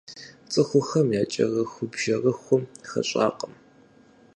ЦӀыхухэм я кӀэрыхубжьэрыхум хэщӀакъым.